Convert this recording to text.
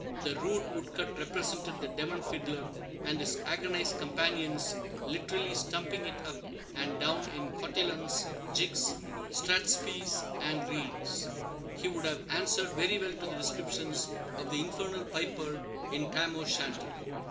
The rude wood cut represented the demon fiddler and his agonized companions literally stumping it up and down in "cotillons, jigs, strathspeys, and reels." He would have answered very well to the description of the infernal piper in Tam O'Shanter.